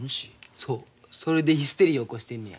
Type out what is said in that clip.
そうそれでヒステリー起こしてんのや。